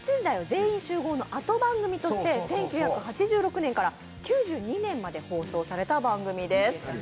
全員集合」の後番組として１９８６年から９２年まで放送された番組です。